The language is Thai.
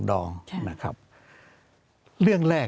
เรื่องที่๔ก็เรื่องปลอมค์